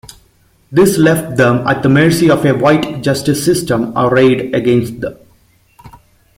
This left them at the mercy of a white justice system arrayed against them.